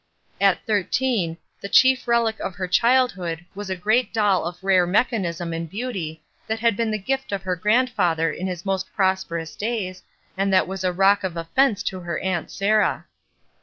At thirteen, the chief rehc of her childhood was a great doll of rare mechanism and beauty that had been the gift of her grandfather in his most prosperous days, and that was a rock of offence to her Aunt Sarah.